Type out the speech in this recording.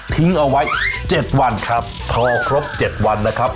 ทิ้งเอาไว้เจ็ดวันครับทอครบเจ็ดวันนะครับ